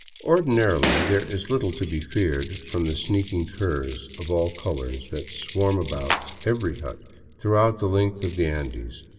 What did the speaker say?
Ordinarily there is little to be feared from the sneaking curs of all colors that swarm about every hut throughout the length of the Andes.